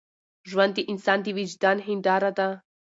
ژوند د انسان د وجدان هنداره ده.